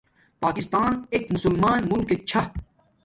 پاکستان ایک مسمان ملکک چھا